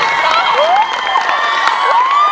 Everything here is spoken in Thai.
สู้